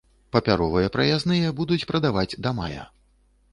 Папяровыя праязныя будуць прадаваць да мая.